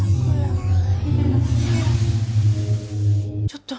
ちょっと。